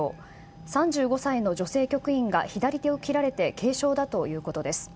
３５歳の女性局員が左手を切られて軽傷だということです。